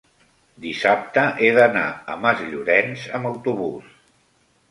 dissabte he d'anar a Masllorenç amb autobús.